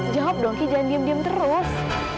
jawab dong ki jangan diem diem terus